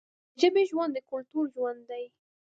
د ژبې ژوند د کلتور ژوند دی.